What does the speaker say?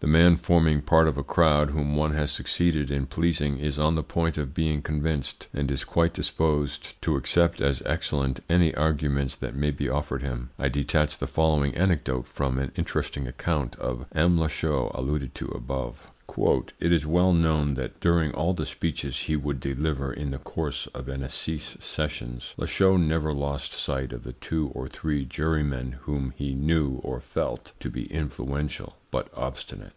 The man forming part of a crowd whom one has succeeded in pleasing is on the point of being convinced, and is quite disposed to accept as excellent any arguments that may be offered him. I detach the following anecdote from an interesting account of M. Lachaud, alluded to above: "It is well known that during all the speeches he would deliver in the course of an assize sessions, Lachaud never lost sight of the two or three jurymen whom he knew or felt to be influential but obstinate.